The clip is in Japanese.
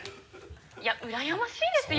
いやうらやましいですよ。